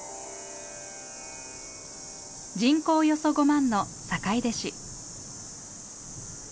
人口およそ５万の坂出市。